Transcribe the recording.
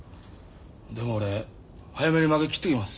でも俺早めにまげ切ってきます。